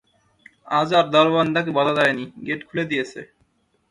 আজ আর দারোয়ন তাঁকে বাধা দেয় নি, গেট খুলে দিয়েছে।